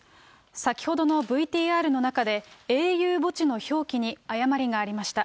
先ほどのＶＴＲの中で、英雄墓地の表記に誤りがありました。